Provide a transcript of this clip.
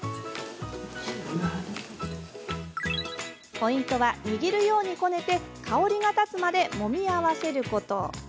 ポイントは握るようにこねて香りが立つまでもみ合わせること。